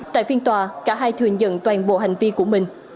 tại phiên tòa cả hai thừa nhận toàn bộ hành vi của mình